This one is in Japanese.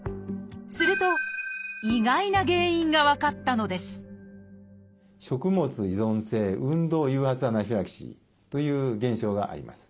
すると意外な原因が分かったのですという現象があります。